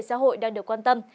xã hội đang được quan tâm